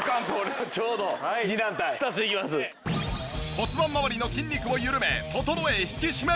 骨盤まわりの筋肉を緩め整え引き締める。